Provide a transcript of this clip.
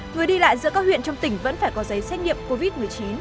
người đi lại giữa các huyện trong tỉnh vẫn phải có giấy xét nghiệm covid một mươi chín